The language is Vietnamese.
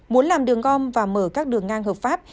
muốn làm đường gom và mở các đường ngang hợp pháp